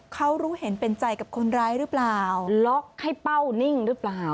เขารู้เห็นเป็นใจกับคนร้ายหรือเปล่าล็อกให้เป้านิ่งหรือเปล่า